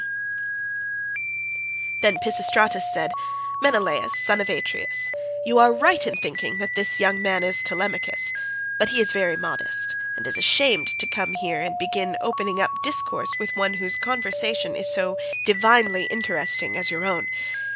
Then Pisistratus said, "Menelaus, son of Atreus, you are right in thinking that this young man is Telemachus, but he is very modest, and is ashamed to come here and begin opening up discourse with one whose conversation is so divinely interesting as your own.